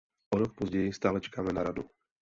O rok později stále čekáme na Radu.